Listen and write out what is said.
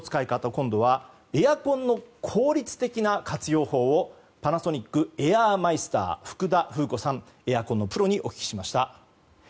今度はエアコンの効率的な活用法をパナソニックエアーマイスター福田風子さん、エアコンのプロにお聞きしました。